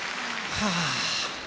はあ。